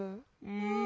うん。